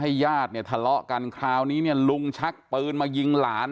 ญาติเนี่ยทะเลาะกันคราวนี้เนี่ยลุงชักปืนมายิงหลาน